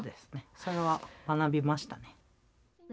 それは学びましたね。